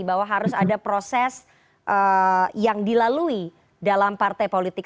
bahwa harus ada proses yang dilalui dalam partai politik